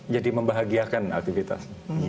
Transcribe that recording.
jadi membahagiakan aktivitas